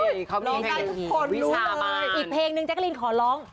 เฮ้ยเขามีเพลงนี้วิชามานอีกเพลงนึงแจ๊กกะลีนขอร้อง